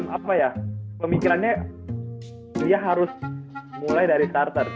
apa ya pemikirannya dia harus mulai dari starter